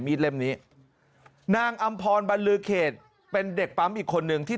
เล่มนี้นางอำพรบรรลือเขตเป็นเด็กปั๊มอีกคนนึงที่